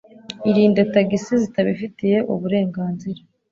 Irinde tagisi zitabifitiye uburenganzira.